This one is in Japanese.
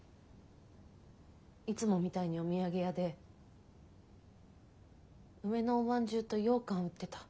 いつもみたいにお土産屋で梅のおまんじゅうとようかん売ってた。